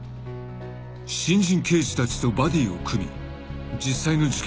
［新人刑事たちとバディを組み実際の事件